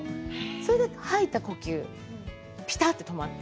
それで吐いた呼吸、ぴたってとまって。